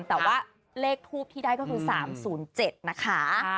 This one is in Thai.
แต่ว่าเลขทูปที่ได้ก็คือ๓๐๗นะคะ